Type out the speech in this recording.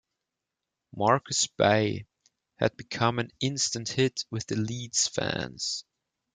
Marcus Bai had become an instant hit with the Leeds fans.